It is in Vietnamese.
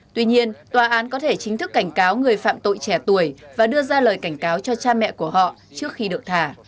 tuy nhiên tòa án có thể chính thức cảnh cáo người phạm tội trẻ tuổi và đưa ra lời cảnh cáo cho cha mẹ của họ trước khi được thả